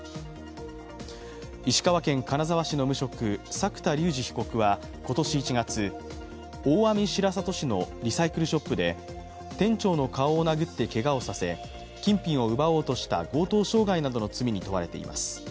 石川県金沢市の無職、作田竜二被告は今年１月大網白里市のリサイクルショップで店長の顔を殴ってけがをさせ金品を奪おうとした強盗傷害などの罪に問われています。